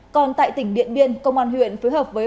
còn tại tỉnh điện biên công an huyện phối hợp với phòng cảnh sát